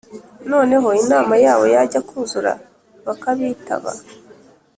noneho inama yabo yajya kuzura bakabitaba